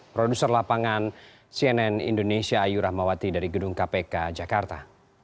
produser lapangan cnn indonesia ayu rahmawati dari gedung kpk jakarta